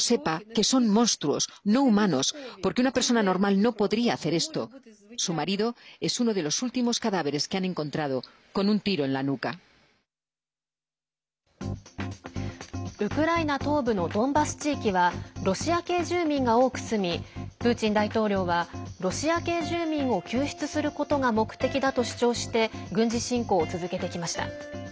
彼女の夫は後頭部を撃たれた遺体としてウクライナ東部のドンバス地域はロシア系住民が多く住みプーチン大統領はロシア系住民を救出することが目的だと主張して軍事侵攻を続けてきました。